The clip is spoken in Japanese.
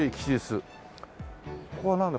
ここはなんだ？